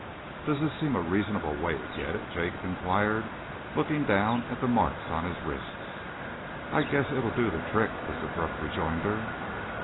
"Does this seem a reasonable way to get it?" Jacob enquired, looking down at the marks on his wrists. "I guess it'll do the trick," was the gruff rejoinder.